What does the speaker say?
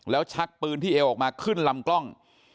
แล้วชักปืนที่เอวออกมาขึ้นลำกล้อง